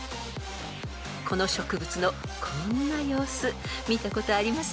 ［この植物のこんな様子見たことありませんか？］